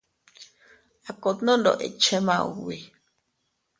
A kot nondoʼo ikche maubi.